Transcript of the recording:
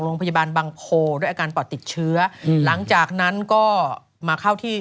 โรงพยาบาลบางโพด้วยอาการปอดติดเชื้อหลังจากนั้นก็มาเข้าที่